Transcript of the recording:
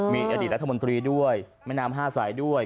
มีอดีตรัฐมนตรีด้วยแม่น้ำห้าสายด้วย